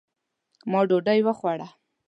ما ډوډۍ وخوړه